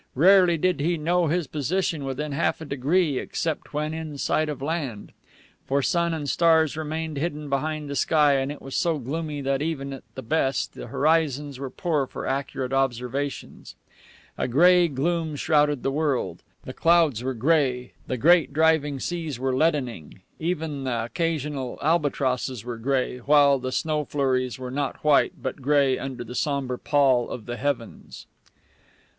Rarely did he know his position within half a degree, except when in sight of land; for sun and stars remained hidden behind the sky, and it was so gloomy that even at the best the horizons were poor for accurate observations. A gray gloom shrouded the world. The clouds were gray; the great driving seas were leaden gray gloom shrouded the world. The clouds were gray; the great driving seas were leadening; even the occasional albatrosses were gray, while the snow flurries were not white, but gray, under the sombre pall of the heavens.